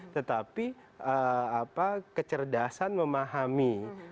tetapi kecerdasan memahami